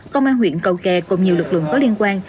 công an huyện cầu kè cùng nhiều lực lượng có liên quan